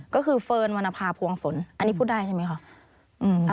ก็คือเฟิร์นวรรณภาพวงศลอันนี้พูดได้ใช่ไหมคะ